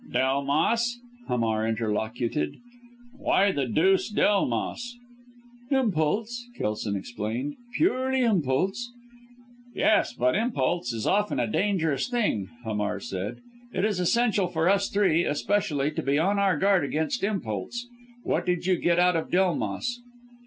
"Delmas!" Hamar interlocuted, "why the deuce Delmas?" "Impulse!" Kelson explained, "purely impulse." "Yes, but impulse is often a dangerous thing!" Hamar said, "it is essential for us three, especially, to be on our guard against impulse. What did you get out of Delmas?"